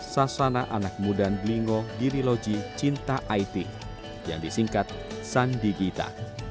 sasaran anak muda telingo geri roji cinta it yang disingkat sandigita